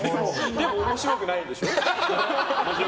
でも面白くないんでしょ？